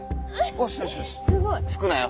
よしよしよし拭くなよ。